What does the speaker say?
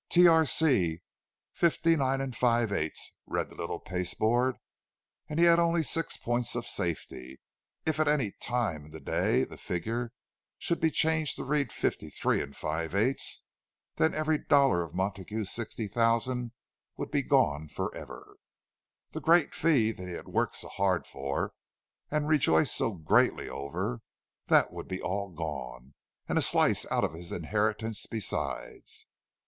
"Tr. C. 59 5/8" read the little pasteboard; and he had only six points of safety. If at any time in the day that figure should be changed to read "53 5/8"—then every dollar of Montague's sixty thousand would be gone for ever! The great fee that he had worked so hard for and rejoiced so greatly over—that would be all gone, and a slice out of his inheritance besides!